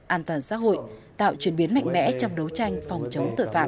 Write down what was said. an toàn xã hội tạo chuyển biến mạnh mẽ trong đấu tranh phòng chống tội phạm